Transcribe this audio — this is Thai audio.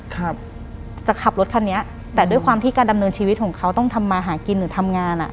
ครับจะขับรถคันนี้แต่ด้วยความที่การดำเนินชีวิตของเขาต้องทำมาหากินหรือทำงานอ่ะ